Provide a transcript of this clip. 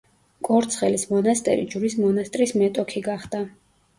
კორცხელის მონასტერი ჯვრის მონასტრის მეტოქი გახდა.